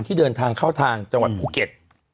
ที่เดินทางเข้าทางจังหวัดภูเก็ต